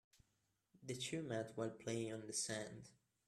The two met while playing on the sand.